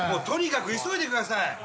とにかく急いでください。